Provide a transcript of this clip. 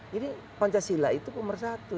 jadi pancasila itu pemersatu